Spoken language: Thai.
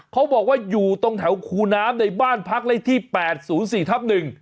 เขาบอกว่าอยู่ตรงแถวคูน้ำในบ้านพักในที่๘๐๔ทับ๑